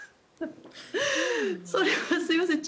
それはすみません。